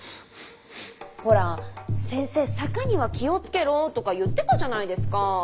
ほら先生「坂には気をつけろ」とか言ってたじゃないですかぁー。